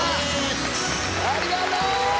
ありがとう！